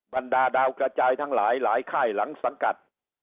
บรรดาดาวกระจายทั้งหลายหลายค่ายหลังสังกัด